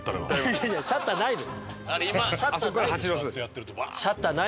いやいやシャッターないよ。